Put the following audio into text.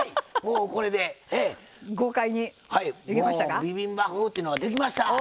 これでビビンバ風というのができました。